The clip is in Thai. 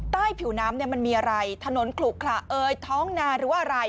ใต้ผิวน้ำมันมีอะไรถนนขลุกค่ะท้องนานหรือว่าอะไร